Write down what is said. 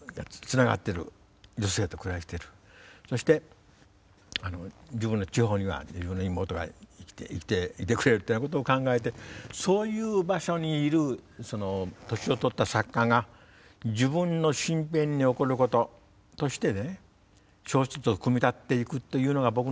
そして自分の地方には自分の妹が生きていてくれるというようなことを考えてそういう場所にいる年を取った作家が自分の身辺に起こることとしてね小説を組み立てていくというのが僕の小説の基本なんです。